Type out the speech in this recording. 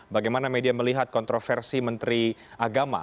bagaimana media melihat kontroversi menteri agama